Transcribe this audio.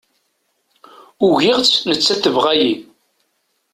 Ugiɣ-tt, nettat tebɣa-iyi